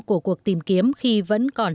của cuộc tìm kiếm khi vẫn còn